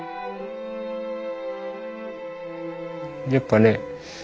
やっぱね